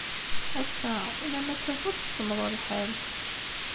Ass-a, ula ma d tafukt, semmeḍ lḥal.